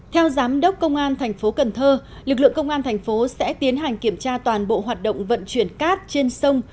theo giám đốc công an tp cn lực lượng công an tp sẽ tiến hành kiểm tra toàn bộ hoạt động vận chuyển cát trên sông